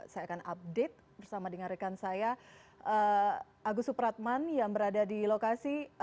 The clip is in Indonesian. saya akan update bersama dengan rekan saya agus supratman yang berada di lokasi